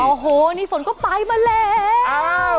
โอ้โหนี่ฝนก็ไปมาแล้ว